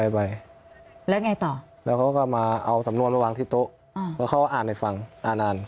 ไปแล้วไงต่อแล้วเขาก็มาเอาสำนวนมาวางที่โต๊ะแล้วเขาก็อ่านให้ฟังอ่าน